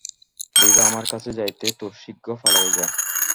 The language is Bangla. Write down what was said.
বিভা, আমার কাছ হইতে তােরা শীঘ্র পালাইয়া যা!